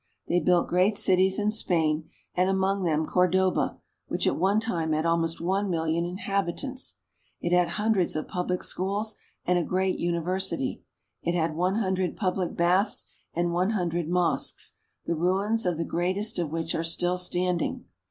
They built great cities in' Spain, and among them Cor doba, which at one time had almost one million inhabitants. It had hundreds of public schools and a great university ; it had one hundred public baths and one hun dred mosques, the ruins of the greatest of which are still standing.